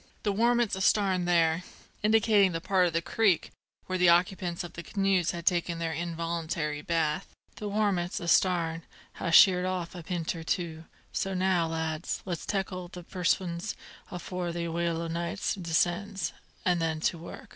The warmints astarn there" indicating that part of the creek where the occupants of the canoes had taken their involuntary bath "the warmints astarn ha' sheered off a p'int or two; so now, lads, let's tackle the perwisions afore the wail o' night descends, an' then to work!"